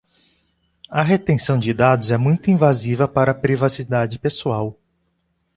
A retenção de dados é muito invasiva para a privacidade pessoal.